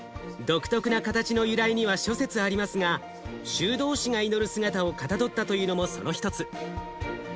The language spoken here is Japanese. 独特な形の由来には諸説ありますが修道士が祈る姿をかたどったというのもその一つ。